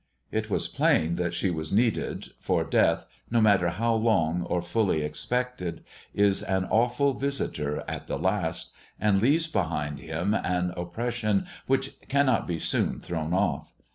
It was plain that she was needed, for death, no matter how long or fully expected, is an awful visitor at the last, and leaves behind him an oppression which cannot be soon thrown off.